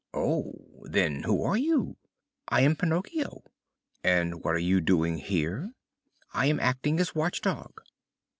"Oh! then who are you?" "I am Pinocchio." "And what are you doing here?" "I am acting as watch dog."